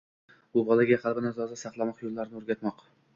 Bu bolaga qalbini toza saqlamoq yo‘llarini o‘rgatmoq